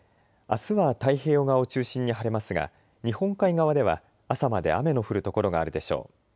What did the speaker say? あすは太平洋側を中心に晴れますが日本海側では朝まで雨の降る所があるでしょう。